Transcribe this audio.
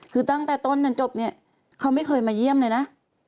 คือตั้งแต่ต้นจนจบเนี่ยเขาไม่เคยมาเยี่ยมเลยนะ